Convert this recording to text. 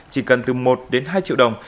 chỉ cần từ một đến hai triệu đồng